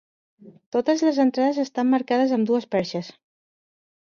Totes les entrades estan marcades amb dues perxes.